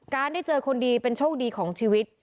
ได้เจอคนดีเป็นโชคดีของชีวิต